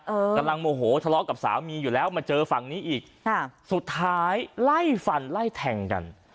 กำลังโมโหทะเลาะกับสามีอยู่แล้วมาเจอฝั่งนี้อีกค่ะสุดท้ายไล่ฟันไล่แทงกัน